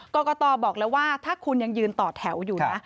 กรกตบอกเลยว่าถ้าคุณยังยืนต่อแถวอยู่นะ